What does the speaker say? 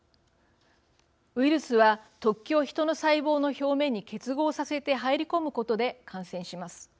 ウイルスは突起を人の細胞の表面に結合させて入り込むことで感染します。